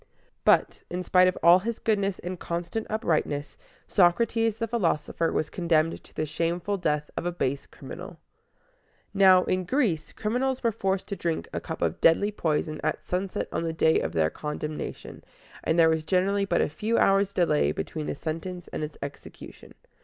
But, in spite of all his goodness and constant uprightness, Socrates the philosopher was condemned to the shameful death of a base criminal. Now, in Greece, criminals were forced to drink a cup of deadly poison at sunset on the day of their condemnation, and there was generally but a few hours' delay between the sentence and its execution.